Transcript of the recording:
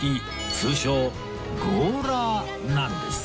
通称ゴーラーなんです